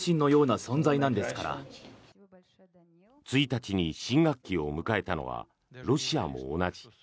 １日に新学期を迎えたのはロシアも同じ。